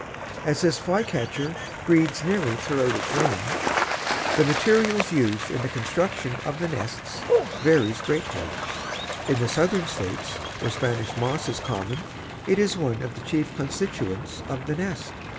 As this Flycatcher breeds nearly throughout its range, the materials used in the construction of the nests varies greatly. In southern states where Spanish moss is common it is one of the chief constituents of the nest.